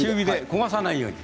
焦がさないように。